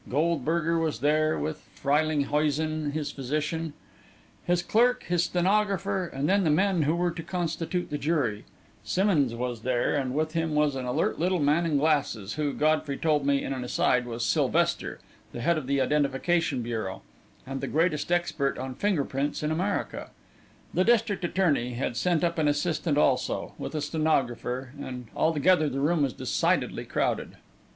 Goldberger was there, with Freylinghuisen his physician, his clerk, his stenographer, and the men who were to constitute the jury; Simmonds was there, and with him was an alert little man in glasses, who, Godfrey told me in an aside, was Sylvester, the head of the Identification Bureau, and the greatest expert on finger prints in America. The district attorney had sent up an assistant, also with a stenographer, and altogether the room was decidedly crowded.